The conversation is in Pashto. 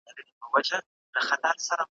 چي په تیاره کي عدالت غواړي ,